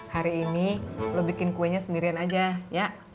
hari ini lo bikin kuenya sendirian aja ya